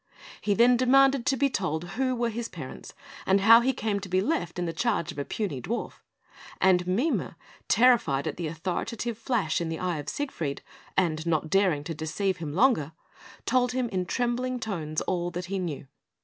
He then demanded to be told who were his parents, and how he came to be left in the charge of a puny dwarf; and Mime, terrified at the authoritative flash in the eyes of Siegfried, and not daring to deceive him longer, told him in trembling tones all that he knew.